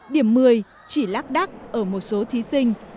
điểm một mươi chỉ lác đắc ở một số thí sinh